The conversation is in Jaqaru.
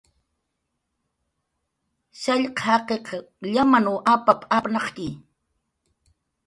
"Shallq jaqiq llamanw apap"" apnaq""ki"